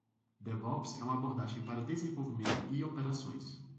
DevOps é uma abordagem para desenvolvimento e operações.